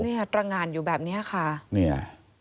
นี่ตรงงานอยู่แบบนี้ค่ะนี่